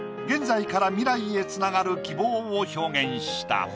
現在から未来へつながる希望を表現した。